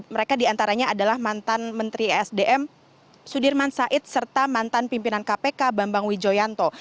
mereka diantaranya adalah mantan menteri sdm sudirman said serta mantan pimpinan kpk bambang wijoyanto